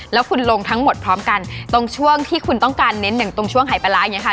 แล้วคุณลงทั้งหมดพร้อมกันตรงช่วงที่คุณต้องการเน้นอย่างตรงช่วงหายปลาร้าอย่างนี้ค่ะ